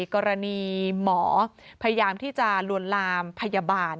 กรณีหมอพยายามที่จะลวนลามพยาบาล